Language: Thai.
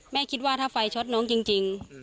คิดว่าถ้าไฟช็อตน้องจริง